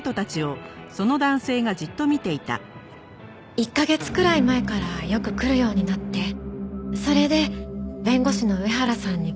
１カ月くらい前からよく来るようになってそれで弁護士の上原さんに。